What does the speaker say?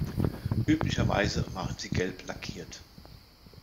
Üblicherweise waren sie gelb lackiert.